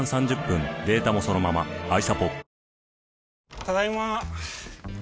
ただいま。